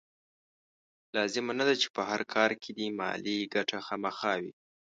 لازمه نه ده چې په هر کار کې دې مالي ګټه خامخا وي.